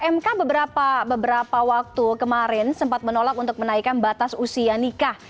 mk beberapa waktu kemarin sempat menolak untuk menaikkan batas usia nikah